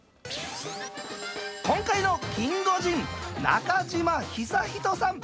今回のキンゴジン中島久仁さん。